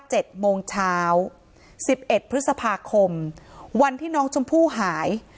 เจ็ดโมงเช้าสิบเอ็ดพฤษภาคมวันที่น้องชมพู่หาย